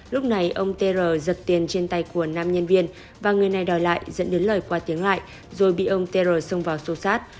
lúc này ông t r giật tiền trên tay của nam nhân viên và người này đòi lại dẫn đến lời qua tiếng lại rồi bị ông t r xông vào xô xát